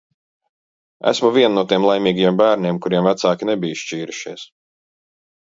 Esmu viena no tiem laimīgajiem bērniem, kuriem vecāki nebija šķīrušies.